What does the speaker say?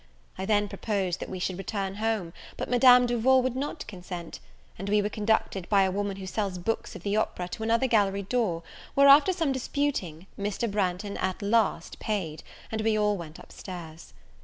I then proposed that we should return home, but Madame Duval would not consent; and we were conducted, by a woman who sells books of the opera, to another gallery door, where, after some disputing, Mr. Branghton at last paid, and we all went up stairs.